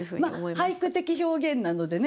俳句的表現なのでね